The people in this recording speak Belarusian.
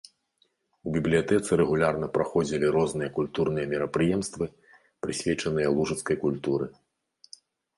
У бібліятэцы рэгулярна праходзілі розныя культурныя мерапрыемствы, прысвечаныя лужыцкай культуры.